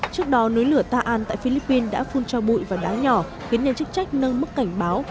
trước đó núi lửa ta an tại philippines đã phun trào bụi và đá nhỏ khiến nhân chức trách nâng mức cảnh báo